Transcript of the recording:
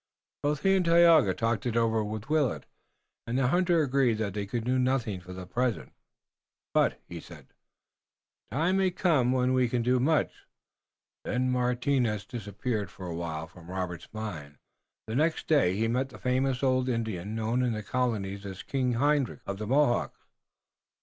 Both he and Tayoga talked it over with Willet, and the hunter agreed that they could do nothing for the present. "But," he said, "the time may come when we can do much." Then Martinus disappeared for a while from Robert's mind, because the next day he met the famous old Indian known in the colonies as King Hendrik of the Mohawks.